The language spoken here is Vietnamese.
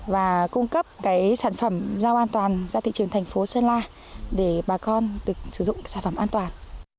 và cung cấp sản phẩm rau an toàn ra thị trường thành phố sơn la để bà con được sử dụng sản phẩm an toàn